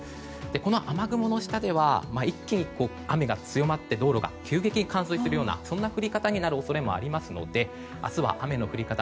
この雨雲の下では一気に雨が強まって道路が急激に冠水する降り方になる恐れもありますので明日は雨の降り方